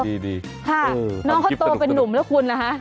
ดีค่ะน้องเขาโตเป็นนุ่มแล้วคุณนะคะ